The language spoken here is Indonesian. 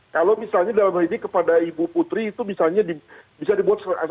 kalau misalnya dalam hal ini kepada ibu putri itu misalnya bisa dibuat